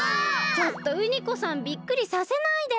ちょっとナマコさんびっくりさせないで。